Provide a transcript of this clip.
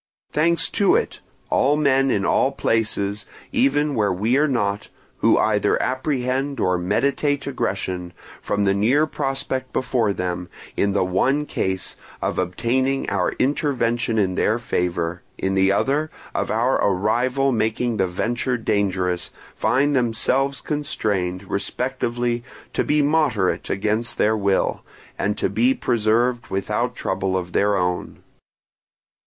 Thanks to it, all men in all places, even where we are not, who either apprehend or meditate aggression, from the near prospect before them, in the one case, of obtaining our intervention in their favour, in the other, of our arrival making the venture dangerous, find themselves constrained, respectively, to be moderate against their will, and to be preserved without trouble of their own.